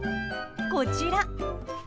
こちら。